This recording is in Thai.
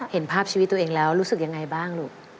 เห็นภาพชีวิตตัวเองแล้วรู้สึกยังไงบ้างลูก